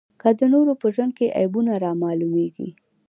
که د نورو په ژوند کې عیبونه رامعلومېږي.